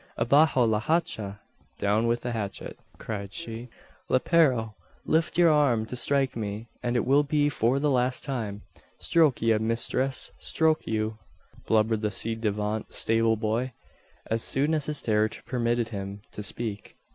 "Abajo la hacha!" (Down with the hatchet), cried she. "Lepero! lift your arm to strike me, and it will be for the last time!" "Stroike ye, misthress! Stroike you!" blubbered the ci devant stable boy, as soon as his terror permitted him to speak.